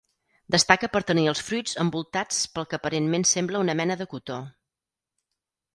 Destaca per tenir els fruits envoltats pel que aparentment sembla una mena de cotó.